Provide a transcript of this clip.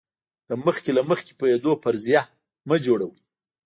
د مخکې له مخکې پوهېدو فرضیه مه جوړوئ.